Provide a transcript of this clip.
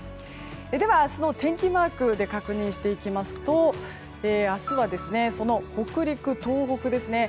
では、明日の天気マークで確認していきますと明日は北陸、東北ですね。